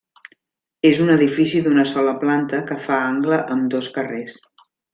És un edifici d'una sola planta que fa angle amb dos carrers.